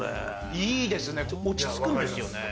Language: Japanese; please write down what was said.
いいですね落ち着くんですよね。